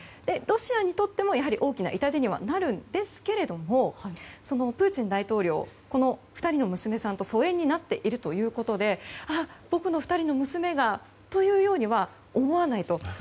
ロシアにとってもやはり大きな痛手にはなるんですがプーチン大統領この２人の娘さんと疎遠になっているということで僕の２人の娘がというふうには思わないと。